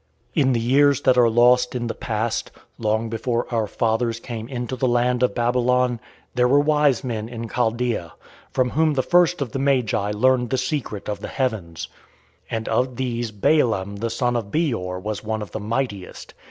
"In the years that are lost in the past, long before our fathers came into the land of Babylon, there were wise men in Chaldea, from whom the first of the Magi learned the secret of the heavens. And of these Balaam the son of Beor was one of the mightiest.